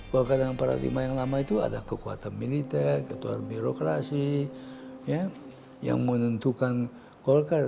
golkar dengan paradigma yang lama itu ada kekuatan militer kekuatan birokrasi yang menentukan golkar